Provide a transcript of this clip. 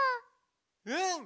うん！